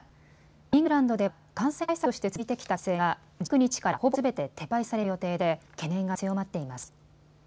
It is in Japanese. イングランドでは感染対策として続いてきた規制が１９日からほぼすべて撤廃される予定で懸念が強まっています。